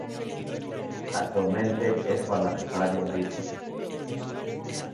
Actualmente es parlamentario andino.